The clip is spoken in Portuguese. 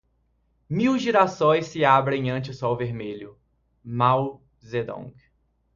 Mil girassóis se abrem ante o Sol Vermelho, Mao Zedong